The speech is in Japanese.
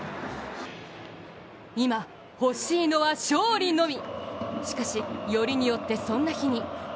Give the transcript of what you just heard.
今、欲しいのは勝利のみ。